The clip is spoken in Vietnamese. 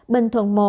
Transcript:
bình thuận một